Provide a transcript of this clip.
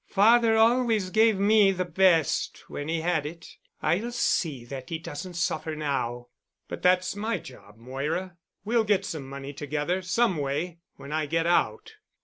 Father always gave me the best when he had it. I'll see that he doesn't suffer now." "But that's my job, Moira. We'll get some money together—some way—when I get out."